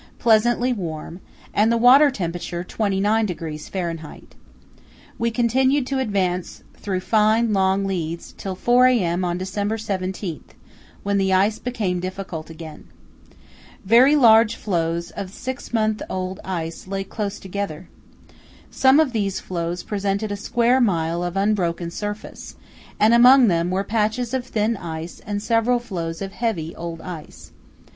pleasantly warm, and the water temperature 29° Fahr. We continued to advance through fine long leads till 4 a.m. on December 17, when the ice became difficult again. Very large floes of six months old ice lay close together. Some of these floes presented a square mile of unbroken surface, and among them were patches of thin ice and several floes of heavy old ice.